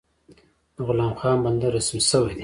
د غلام خان بندر رسمي شوی دی؟